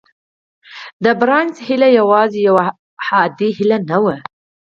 د بارنس هيله يوازې يوه عادي هيله نه وه.